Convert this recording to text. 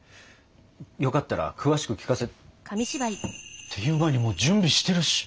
よかったら詳しく聞かせ。っていう前にもう準備してるし！